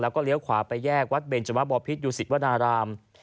แล้วก็เลี้ยวขวาไปแยกวัดเบนจวะบอพิษดูสิตวนาราม